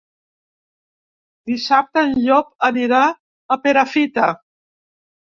Dissabte en Llop anirà a Perafita.